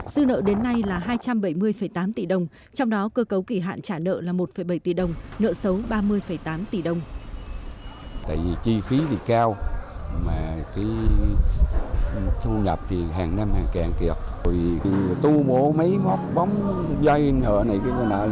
dư nợ đến nay là hai trăm bảy mươi tám tỷ đồng trong đó cơ cấu kỷ hạn trả nợ là một bảy tỷ đồng nợ xấu ba mươi tám tỷ đồng